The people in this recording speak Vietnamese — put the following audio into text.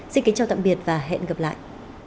xin kính chào tạm biệt và hẹn gặp lại